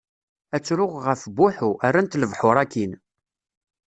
Ad ttruɣ ɣef Buḥu, rran-t lebḥur akin.